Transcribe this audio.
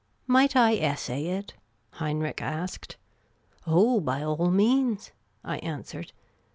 " Might I essay it ?" Heinrich asked. " Oh, by all means," I answered.